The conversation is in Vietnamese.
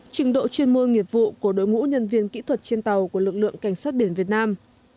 trình độ chuyên môn nghiệp vụ của đội ngũ nhân viên kỹ thuật trên tàu của lực lượng cảnh sát biển việt nam